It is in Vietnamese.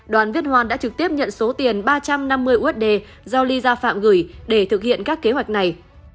đoàn viết hoan đã trực tiếp nhận số tiền ba trăm năm mươi usd do ly gia phạm gửi để thực hiện các kế hoạch này